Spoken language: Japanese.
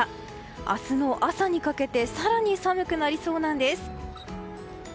明日の朝にかけて更に寒くなりそうなんです。